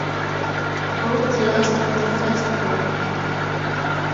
Both lost in the first round.